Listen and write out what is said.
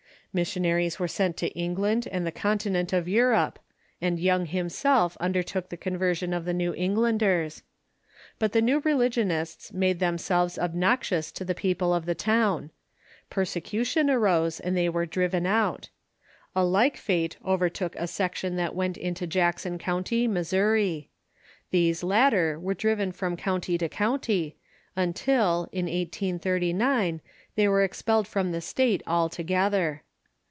Missionaries were sent to England and the continent of Europe, and Young himself undertook the conversion of the New Englanders. But the new religion ists made themselves obnoxious to the people of the town ; per 586 THE CHURCH IN THE UNITED STATES secution arose, and they Avere driven out. A like fate over took a section that went into Jackson County, Missouri. These latter were driven from county to county, until, in 1839, they were expelled from the state altogether.